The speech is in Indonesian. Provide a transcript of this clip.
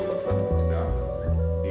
c perjalanan kembali